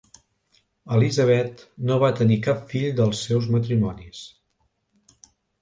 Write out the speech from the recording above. Elizabeth no va tenir cap fill dels seus matrimonis.